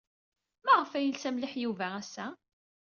Maɣef ay yelsa mliḥ Yuba ass-a?